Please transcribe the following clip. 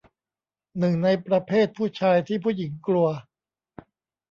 หนึ่งในประเภทผู้ชายที่ผู้หญิงกลัว